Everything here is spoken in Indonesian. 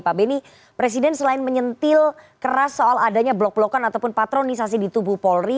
pak beni presiden selain menyentil keras soal adanya blok blokan ataupun patronisasi di tubuh polri